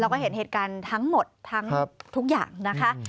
แล้วก็เห็นเหตุการณ์ทั้งหมดทั้งทุกอย่างนะคะ